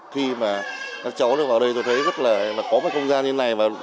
khi mà các cháu được vào đây tôi thấy rất là có cái không gian như thế này